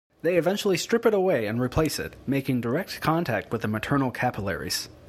They eventually strip it away and replace it, making direct contact with maternal capillaries.